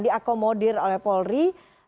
diakomodir oleh polri